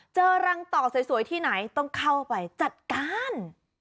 เจอรังต่อสวยที่ไหนต้องเข้าไปจัดการ